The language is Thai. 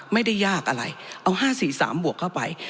ไม่ได้ยากอะไรเอาห้าสี่สามบวกเข้าไป